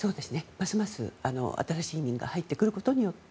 ますます新しい移民が入ってくることによって。